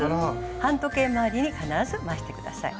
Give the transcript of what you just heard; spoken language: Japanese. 反時計回りに必ず回して下さい。